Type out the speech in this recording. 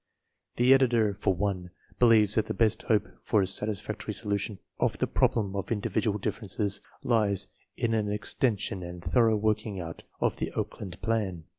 The editor, for one, believes that the best hope for a satisfactory solution of the problem of indi vidual differences lies in an extension and thorough working out of the Oakland plan.